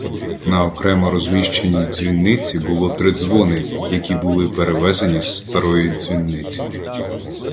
На окремо розміщеній дзвіниці було три дзвони, які були перевезені з старої дзвіниці.